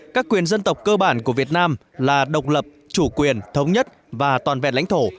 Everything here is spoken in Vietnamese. các quyền dân tộc cơ bản của việt nam là độc lập chủ quyền thống nhất và toàn vẹn lãnh thổ